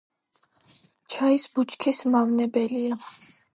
ჩაის ბუჩქის მავნებელია.